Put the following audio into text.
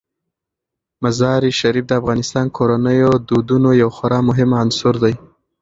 مزارشریف د افغان کورنیو د دودونو یو خورا مهم عنصر دی.